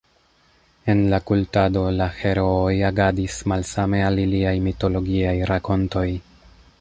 En la kultado, la herooj agadis malsame al iliaj mitologiaj rakontoj.